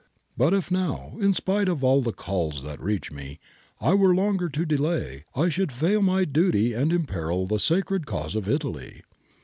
But if now, in spite of all the calls that reach me, I were longer to delay, I should fail in my duty and imperil the sacred cause of Italy.